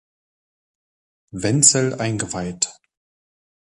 Wenzel eingeweiht.